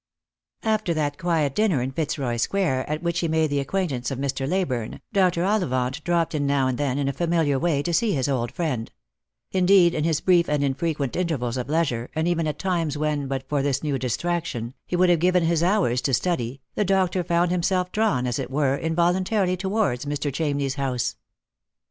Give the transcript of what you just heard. Aftee that quiet dinner in Fitzroy square, at which he made the acquaintance of Mr. Leyburne, Dr. Ollivant dropped in now and then, in a familiar way, to see his old friend — indeed, in his brief and infrequent intervals of leisure, and even at times when, but for this new distraction, he would have given his hours to study, the doctor found himself drawn, as it were, involuntarily towards Mr. Chamney's house.